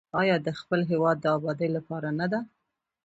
آیا د خپل هیواد د ابادۍ لپاره نه ده؟